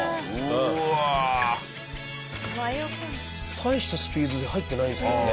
大したスピードで入ってないんですけどね。